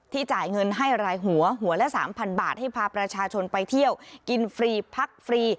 จ่ายเงินให้รายหัวหัวละ๓๐๐บาทให้พาประชาชนไปเที่ยวกินฟรีพักฟรี